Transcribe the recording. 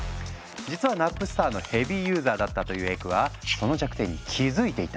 実はナップスターのヘビーユーザーだったというエクはその弱点に気付いていたんだ。